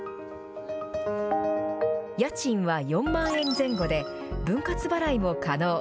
家賃は４万円前後で、分割払いも可能。